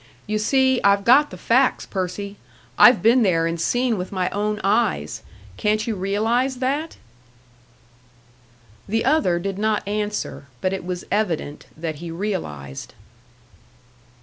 You see, I've got the facts, Percy! I've been there and seen with my own eyes. Can't you realise that?" The other did not answer, but it was evident that he realised.